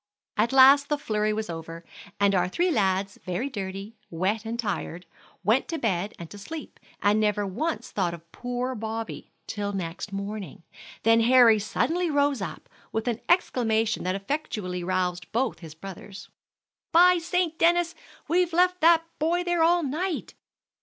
At last the flurry was over, and our three lads, very dirty, wet, and tired, went to bed and to sleep, and never once thought of poor Bobby, till next morning. Then Harry suddenly rose up, with an exclamation that effectually roused both his brothers. "By St. Dennis, we've left that boy there all night!"